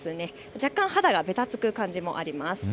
若干肌がべたつく感じもあります。